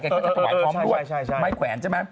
เขาจะถวายพร้อมรวดไม้แขวน